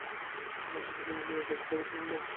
ওসব বাজে বুকনি ছেড়ে দাও, প্রভুর কথা কও।